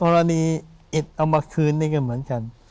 หอกรณีอิตเอามาคืนได้กันเหมือนกัน